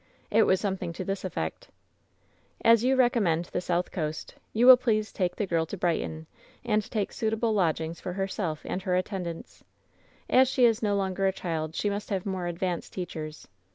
"It was something to this effect :" ^As you recommend the south coast, you will please H, take the girl to Brighton, and take suitable lodgings for herself and»her attendants. As she is no longer a child she must have more advanced teachers.